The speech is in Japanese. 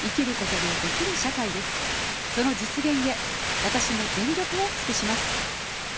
その実現へ、私も全力をつくします。